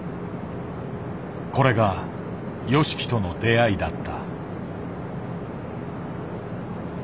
これがＹＯＳＨＩＫＩとの出会いだった。